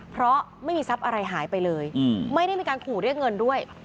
เพราะไม่มีทรัพย์อะไรหายไปเลยไม่ได้มีการขู่เรียกเงินด้วย